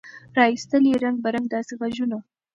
را ایستل یې رنګ په رنګ داسي ږغونه